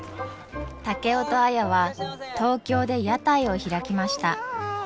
竹雄と綾は東京で屋台を開きました。